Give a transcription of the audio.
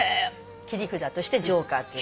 切り札として「ジョーカー」という。